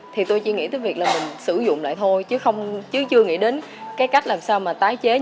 thì tôi chỉ nghĩ tới việc là mình sử dụng lại thôi chứ chưa nghĩ đến cái cách làm sao mà tái chế